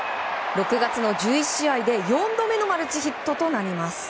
６月の１１試合で４度目のマルチヒットとなります。